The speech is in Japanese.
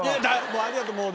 もうありがとう。